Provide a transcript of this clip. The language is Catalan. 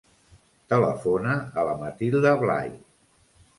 Telefona a la Matilda Blay.